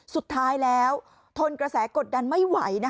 สุดท้ายแล้วทนกระแสกดดันไม่ไหว